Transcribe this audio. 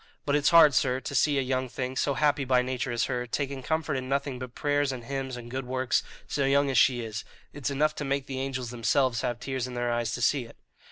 But it's hard, sir, to see a young thing, so happy by nature as her, taking comfort in nothing but prayers and hymns and good works, so young as she is; it's enough to make the angels themselves have tears in their eyes to see it."